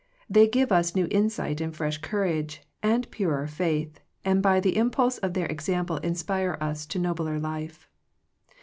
They give us new insight, and fresh courage, and purer faith, and by the impulse of their example inspire us to nobler life.